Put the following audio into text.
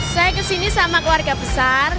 saya kesini sama keluarga besar